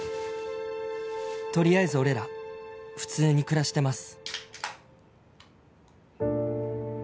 「とりあえず俺ら普通に暮らしてます」